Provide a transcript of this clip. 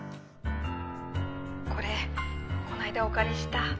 これこないだお借りした。